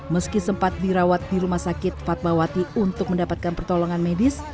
meski sempat dirawat di rumah sakit fatmawati untuk mendapatkan pertolongan medis